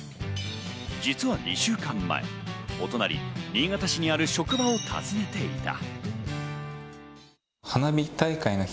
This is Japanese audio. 実は２週間前、お隣、新潟市にある職場を訪ねていた。